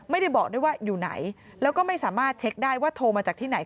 ไม่ได้บอกด้วยว่าอยู่ไหนแล้วก็ไม่สามารถเช็คได้ว่าโทรมาจากที่ไหน